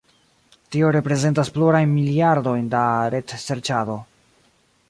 Tio reprezentas plurajn miliardojn da retserĉado.